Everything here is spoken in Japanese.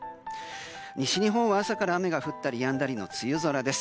西日本は朝から雨が降ったりやんだりの梅雨空です。